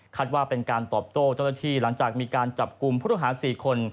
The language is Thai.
คัดว่าเป็นการตอบโตเจ้าเจ้าที่หลังจากมีการจับกลุ่มพุทธภาษี๔คน